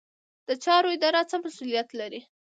د چارو اداره څه مسوولیت لري؟